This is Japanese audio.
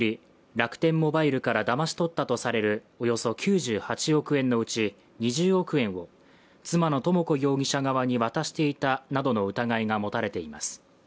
楽天モバイルからだまし取ったとされるおよそ９８億円のうち、２０億円を妻の智子容疑者側に渡していたなどの疑いが持たれています。